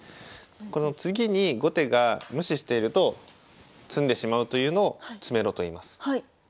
この次に後手が無視していると詰んでしまうというのを詰めろといいます。